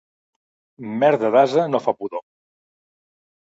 Merda d'ase no fa pudor.